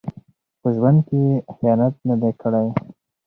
په ژوند کې یې خیانت نه دی کړی.